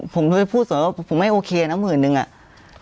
ผมไม่โอเคนะหมื่นนึงอะ